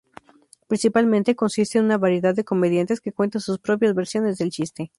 Principalmente consiste en una variedad de comediantes que cuentan sus propias versiones del chiste.